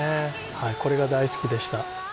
はいこれが大好きでした